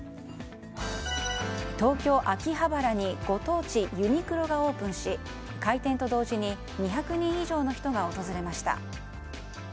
東京・秋葉原にご当地ユニクロがオープンし開店と同時に２００人以上の人が訪れました。